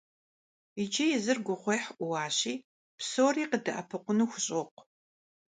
Иджы езыр гугъуехь Ӏууащи, псори къыдэӀэпыкъуну хущӀокъу.